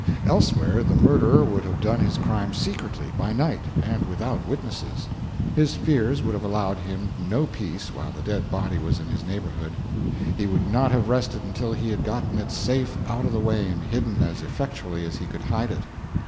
Elsewhere the murderer would have done his crime secretly, by night, and without witnesses; his fears would have allowed him no peace while the dead body was in his neighborhood; he would not have rested until he had gotten it safe out of the way and hidden as effectually as he could hide it.